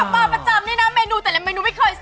มาประจำนี่นะเมนูแต่ละเมนูไม่เคยซื้อ